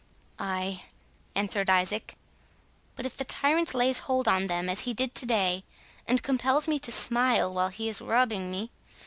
"Ay," answered Isaac, "but if the tyrant lays hold on them as he did to day, and compels me to smile while he is robbing me?